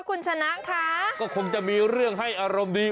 คุณชนะคะก็คงจะมีเรื่องให้อารมณ์ดี